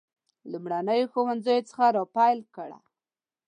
لومړنیو ښوونځیو څخه را پیل کړه.